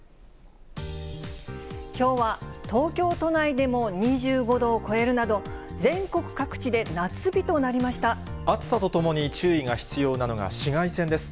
きょうは東京都内でも２５度を超えるなど、全国各地で夏日と暑さとともに注意が必要なのが紫外線です。